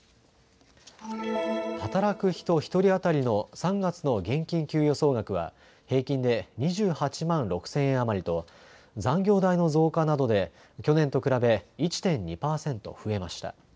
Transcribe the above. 働く人１人当たりの３月の現金給与総額は平均で２８万６０００円余りと残業代の増加などで去年と比べ１．２％増えました。